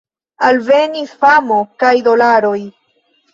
Alvenis famo, kaj dolaroj.